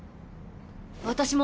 私も。